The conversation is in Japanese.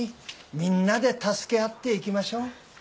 みんなで助け合っていきましょう。